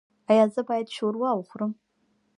ایا زه باید شوروا وخورم؟